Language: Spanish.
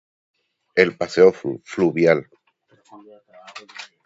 El paseo flu... fluvial